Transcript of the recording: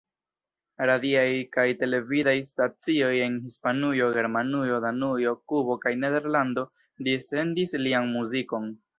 Radiaj kaj televidaj stacioj en Hispanujo, Germanujo, Danujo, Kubo kaj Nederlando dissendis lian muzikon.